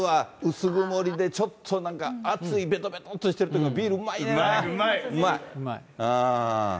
薄曇りでちょっとなんか、暑いべとべとっとしてるとき、ビールうまいねんな。